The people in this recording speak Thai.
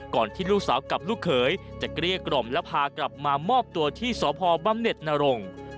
ที่ลูกสาวกับลูกเขยจะเกลี้ยกล่อมและพากลับมามอบตัวที่สพบำเน็ตนรงค์